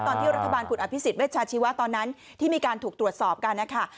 ตอนที่รัฐบาลคุณอภิษฎเวชาชีวะตอนนั้นที่มีการถูกตรวจสอบกันนะคะ